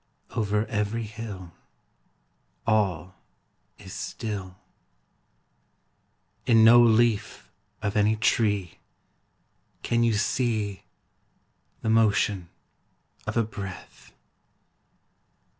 I Over every hill All is still ; In no leaf of any tree Can you see The motion of a breath.